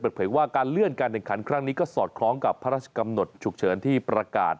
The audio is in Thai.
เปิดเผยว่าการเลื่อนการแข่งขันครั้งนี้ก็สอดคล้องกับพระราชกำหนดฉุกเฉินที่ประกาศ